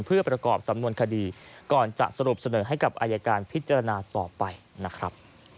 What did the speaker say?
เพื่อประกอบสำนวนคดีก่อนจะสรุปเสนอให้กับอายการพิจารณาต่อไปนะครับ